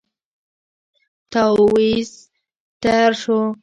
تاويذ تیار شو.